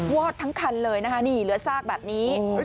วอดทั้งคันเลยนะคะนี่เหลือซากแบบนี้